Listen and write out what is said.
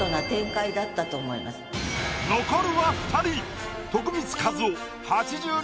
残るは二人。